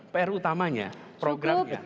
pr utamanya programnya